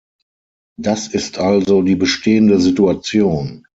Das ist also die bestehende Situation.